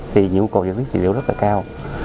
thì nhu cầu giật lý trị liệu rất là cao